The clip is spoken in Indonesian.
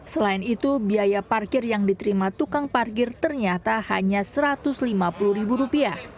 selain itu biaya parkir yang diterima tukang parkir ternyata hanya rp satu ratus lima puluh